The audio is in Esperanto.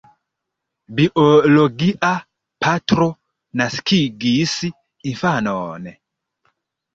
Biologia patro naskigis infanon.